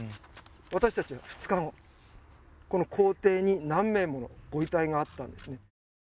私達は２日後この校庭に何名ものご遺体があったんですね